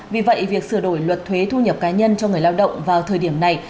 vì vậy việc sửa đổi luật thuế thu nhập cá nhân cho người lao động vào thời điểm này